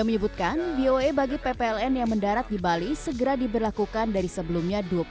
menyebutkan voe bagi ppln yang mendarat di bali segera diberlakukan dari sebelumnya